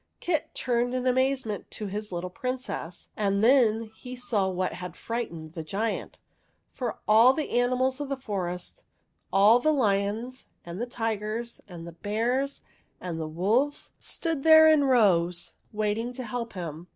Kit turned in amazement to his little Princess ; and then he saw what had frightened the giant, for all the animals of the forest, all the lions and the tigers and the bears and the wolves, stood there in rows, waiting to help him.